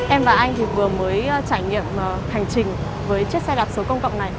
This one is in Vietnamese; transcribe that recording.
em và anh thì vừa mới trải nghiệm hành trình với chiếc xe đạp số công cộng này